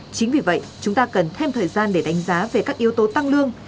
chính vì vậy chúng ta cần thêm thời gian để đánh giá về các yếu tố tăng lương